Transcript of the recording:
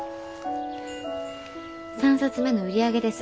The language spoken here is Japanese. ３冊目の売り上げです。